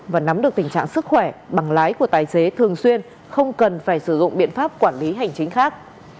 và nắm được tình trạng sức khỏe bằng lái của tài xế thường xuyên không cần phải sử dụng biện pháp quản lý hành chính khác